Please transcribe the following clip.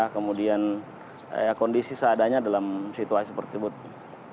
kemudian kondisi seadanya dalam situasi seperti itu